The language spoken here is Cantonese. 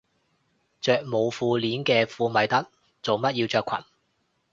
着冇褲鏈嘅褲咪得，做乜要着裙